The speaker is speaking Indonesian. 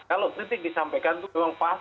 kalau kritik disampaikan itu memang pas